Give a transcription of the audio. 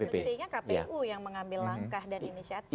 jadi sebetulnya kpu yang mengambil langkah dan inisiatif